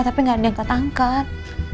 tapi gak ada yang kata angkat